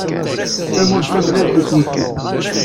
Tamurt d tamellalt s udfel.